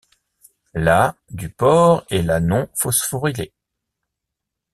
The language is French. La du porc est la non phosphorylée.